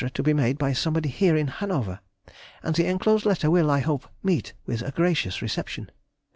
to be made by somebody here in Hanover, and the enclosed letter will, I hope, meet with a gracious reception....